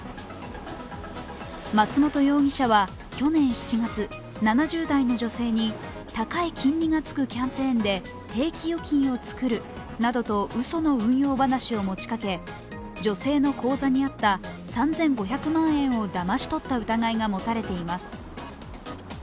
松本容疑者は去年７月７０代の女性に高い金利がつくキャンペーンで定期預金をつくるなどとうその運用話を持ちかけ、女性の口座にあった３５００万円をだまし取った疑いが持たれています。